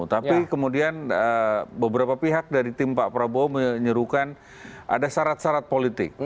tapi kemudian beberapa pihak dari tim pak prabowo menyerukan ada syarat syarat politik